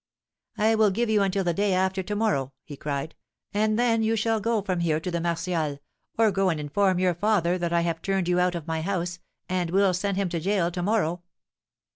'I will give you until the day after to morrow,' he cried, 'and then you shall go from here to the Martials, or go and inform your father that I have turned you out of my house, and will send him to gaol to morrow.'